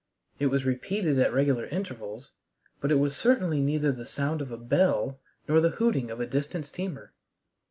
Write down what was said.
It was repeated at regular intervals, but it was certainly neither the sound of a bell nor the hooting of a distant steamer.